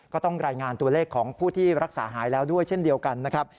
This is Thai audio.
ก็ต้องรายงานตัวเลขของผู้ที่รักษาหายแล้วด้วยเช่นเดียวกันนะครับ